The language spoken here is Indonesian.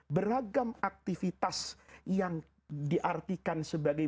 beragam aktivitas yang diartikan sebagai